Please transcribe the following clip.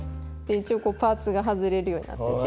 一応パーツが外れるようになってて。